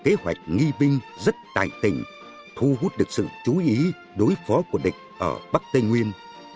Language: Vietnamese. kế hoạch nghi binh rất tài tình thu hút được sự chú ý đối phó của địch ở bắc tây nguyên